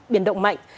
biển động mạnh